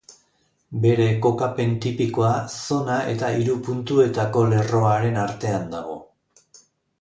Bere kokapen tipikoa zona eta hiru puntuetako lerroaren artean dago.